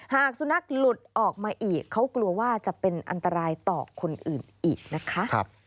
หากสุนัขหลุดออกมาอีกเขากลัวว่าจะเป็นอันตรายต่อคนอื่นอีกนะคะ